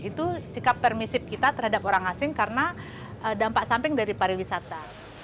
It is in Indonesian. itu sikap permisif kita terhadap orang asing karena dampak samping dari pariwisata